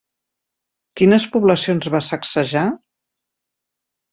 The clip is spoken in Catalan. Quines poblacions va sacsejar?